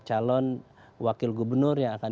calon wakil gubernur yang akan